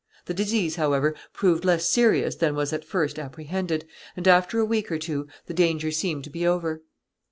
The disease, however, proved less serious than was at first apprehended, and after a week or two the danger seemed to be over.